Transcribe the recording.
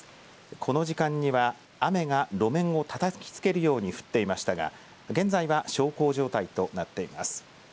この時間には雨が路面をたたきつけるように降っていましたが現在は小康状態となっています。